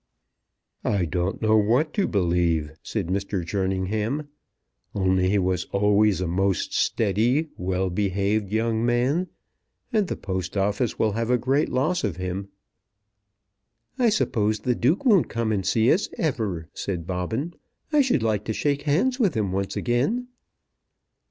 "I don't know what to believe," said Mr. Jerningham. "Only he was always a most steady, well behaved young man, and the office will have a great loss of him." "I suppose the Duke won't come and see us ever," said Bobbin. "I should like to shake hands with him once again."